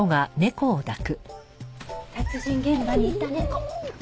殺人現場にいた猫。